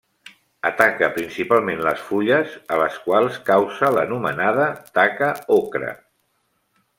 Ataca principalment les fulles, a les quals causa l'anomenada taca ocre.